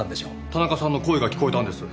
田中さんの声が聞こえたんです。